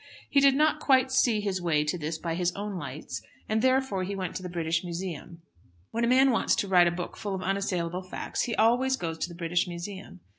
He did not quite see his way to this by his own lights, and therefore he went to the British Museum. When a man wants to write a book full of unassailable facts, he always goes to the British Museum.